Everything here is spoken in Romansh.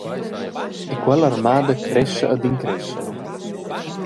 E quella armada crescha ad in crescher.